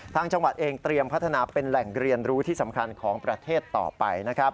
ทางจังหวัดเองเตรียมพัฒนาเป็นแหล่งเรียนรู้ที่สำคัญของประเทศต่อไปนะครับ